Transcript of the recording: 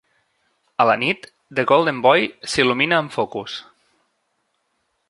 A la nit, The Golden Boy s'il·lumina amb focus.